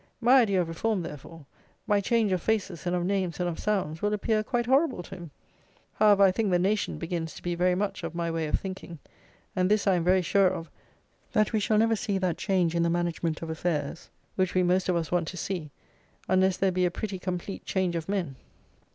My idea of reform, therefore; my change of faces and of names and of sounds will appear quite horrible to him. However, I think the nation begins to be very much of my way of thinking; and this I am very sure of, that we shall never see that change in the management of affairs, which we most of us want to see, unless there be a pretty complete change of men.